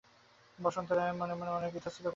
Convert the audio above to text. বসন্ত রায় মনে মনে অনেক ইতস্তত করিতে লাগিলেন।